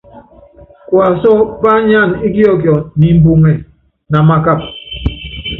Kuasú pányánana íkiɔkiɔ ni imbuŋɛ, namakapa.